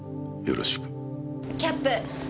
キャップ。